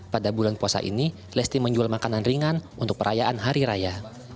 pada bulan puasa ini lesti menjual makanan ringan untuk perayaan hari raya